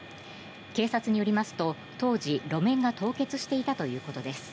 警察によりますと当時、路面が凍結していたということです。